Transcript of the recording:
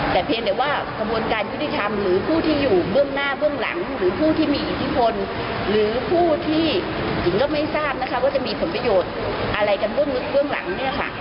แต่เพียงแต่ว่ากระบวนการยุติธรรมหรือผู้ที่อยู่เบื้องหน้าเบื้องหลังหรือผู้ที่มีอิทธิพลหรือผู้ที่หญิงก็ไม่ทราบนะคะว่าจะมีผลประโยชน์อะไรกันเบื้องหลังเนี่ยค่ะ